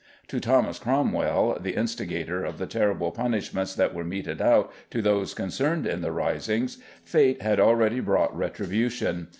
To Thomas Cromwell, the instigator of the terrible punishments that were meted out to those concerned in the risings, fate had already brought retribution.